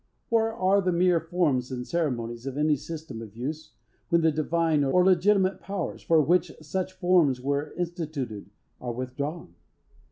Or, are the mere forms and ceremonies of any system of use, when the divine, or legitimate powers, for which such forms were instituted, are withdrawn?